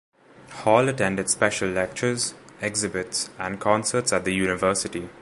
Hall attended special lectures, exhibits, and concerts at the University.